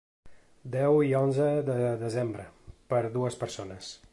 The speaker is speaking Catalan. Deu i onze de desembre, per a dues persones.